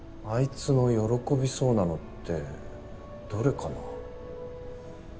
あいつの喜びそうなのってどれかな。